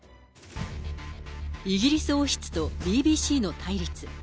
イギリス王室とＢＢＣの対立。